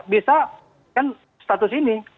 bisa kan status ini